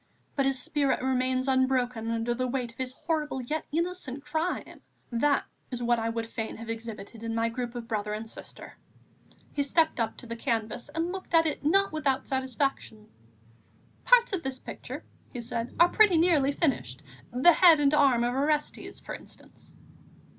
But his spirit remains unbroken under the weight of his horrible, yet innocent crime.... That is what I would fain have exhibited in my group of brother and sister." He stepped up to the canvas and looked at it not without satisfaction. "Parts of the picture," he said, "are pretty nearly finished; the head and arm of Orestes, for instance."